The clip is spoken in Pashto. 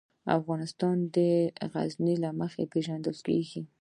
افغانستان د غزني له مخې پېژندل کېږي.